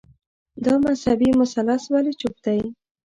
دا مذهبي مثلث ولي چوپ دی